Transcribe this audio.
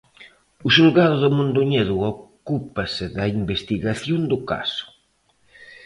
O xulgado de Mondoñedo ocúpase da investigación do caso.